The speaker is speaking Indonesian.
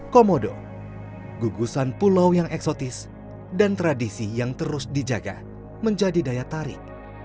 komodo gugusan pulau yang eksotis dan tradisi yang terus dijaga menjadi daya tarik